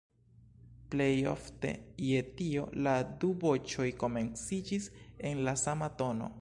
Plejofte je tio la du voĉoj komenciĝis en la sama tono.